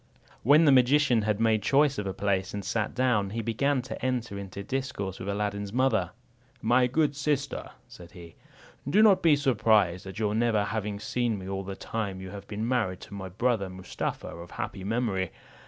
When the magician had made choice of a place, and sat down, he began to enter into discourse with Aladdin's mother. "My good sister," said he, "do not be surprised at your never having seen me all the time you have been married to my brother Mustapha of happy memory.